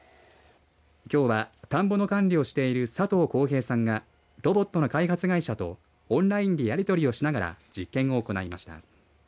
きょうは田んぼの管理をしている佐藤恒平さんがロボットの開発会社とオンラインでやりとりしながら実験を行いました。